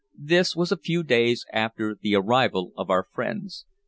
This was a few days after the arrival of our friends.